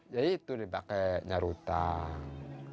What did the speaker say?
jadi itu dibakainya hutang